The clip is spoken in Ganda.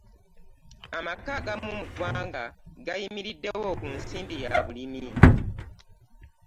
Amaka agamu mu ggwanga gayimiriddewo ku nsimbi ya bulimi.